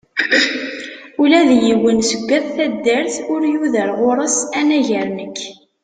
Ula d yiwen seg at taddart ur yuder ɣur-s, anagar nekk.